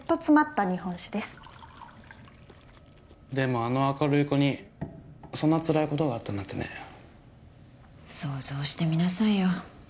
あの明るい子にそんなつらいことがあったなんてね想像してみなさいよ